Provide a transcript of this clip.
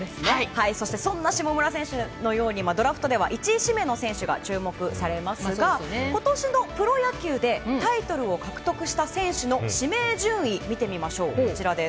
そしてそんな下村選手のように１位指名の人が注目されますが今年のプロ野球でタイトルを獲得した選手の指名順位見てみましょう。